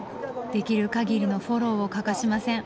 できる限りのフォローを欠かしません。